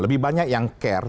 lebih banyak yang care